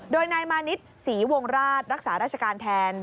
โดยนายมานิดศรีวงราชรักษาราชการแทน